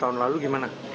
tahun lalu gimana